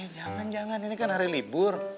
jangan jangan ini kan hari libur